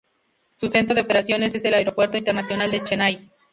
Su centro de operaciones es el Aeropuerto Internacional de Chennai.